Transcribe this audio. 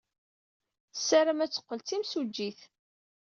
Tessaram ad teqqel d timsujjit.